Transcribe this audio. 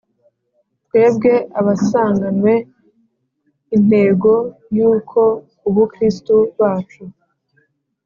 twebwe abasanganwe intego y’uko “ubukristu bacu